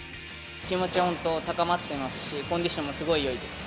気持ち、本当、高まってますし、コンディションもすごいよいです。